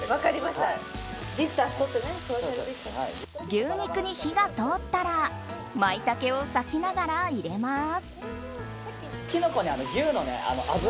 牛肉に火が通ったらマイタケを裂きながら入れます。